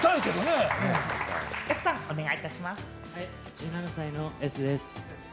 １７歳のＳです。